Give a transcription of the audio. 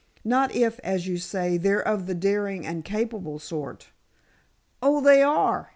"Not if, as you say, they're of the daring and capable sort." "Oh, they are!